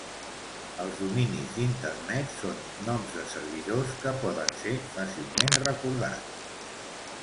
Els dominis d'Internet són noms de servidors que poden ser fàcilment recordats.